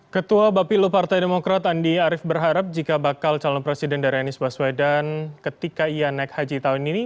ketua bapilu partai demokrat andi arief berharap jika bakal calon presiden dari anies baswedan ketika ia naik haji tahun ini